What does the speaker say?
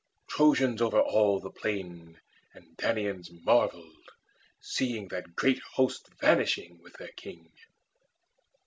Trojans over all the plain And Danaans marvelled, seeing that great host Vanishing with their King.